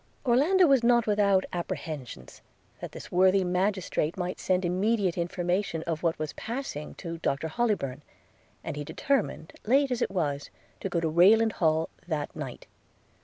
Orlando was not without apprehensions, that this worthy magistrate might send immediate information of what was passing to Dr Hollybourn; and he determined, late as it was, to go to Rayland Hall that night.